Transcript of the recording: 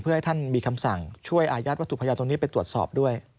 เพื่อให้ท่านมีคำสั่งช่วยอายัดวัตถุพยานตรงนี้ไปตรวจสอบด้วย